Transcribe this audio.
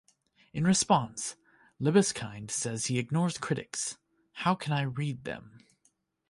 In response, Libeskind says he ignores critics: How can I read them?